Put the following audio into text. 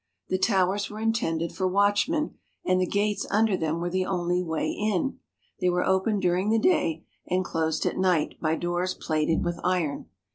The towers were intended for watchmen, and the gates under them were the only way in. They were open during the day and closed at night by doors plated with iron.